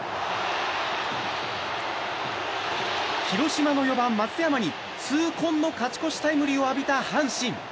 広島の４番、松山に痛恨の勝ち越しタイムリーを浴びた阪神。